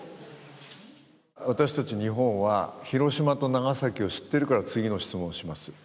私たち日本は、広島と長崎を知っているから次の質問をします。